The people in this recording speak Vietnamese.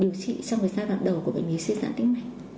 điều trị xong với giai đoạn đầu của bệnh nhân sẽ giãn tĩnh mạch